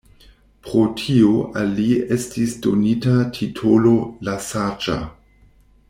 Pro tio al li estis donita titolo «la Saĝa».